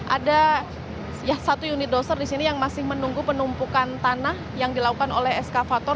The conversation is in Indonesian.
ada satu unit doster di sini yang masih menunggu penumpukan tanah yang dilakukan oleh eskavator